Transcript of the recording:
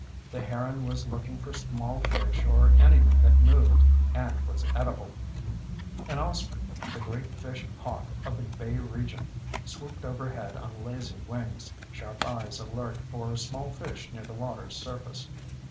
The heron was looking for small fish or anything that moved and was edible. An osprey, the great fish hawk of the bay region, swooped overhead on lazy wings, sharp eyes alert for small fish near the water's surface.